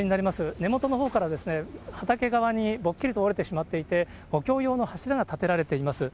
根元のほうから畑側にぼっきりと折れてしまっていて、補強用の柱が立てられています。